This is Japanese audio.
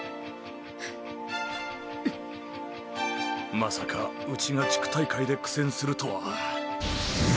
まさかうちが地区大会で苦戦するとは。